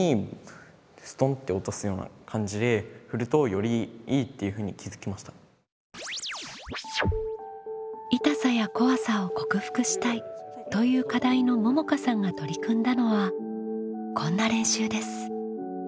どっちかというと「痛さや怖さを克服したい」という課題のももかさんが取り組んだのはこんな練習です。